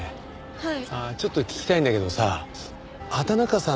はい。